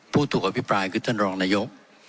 ผู้ถูกอภิปรายคือท่านรองนายก